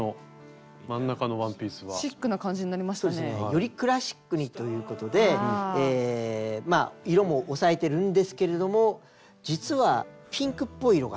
よりクラシックにということで色も抑えてるんですけれども実はピンクっぽい色が入っているんですよ。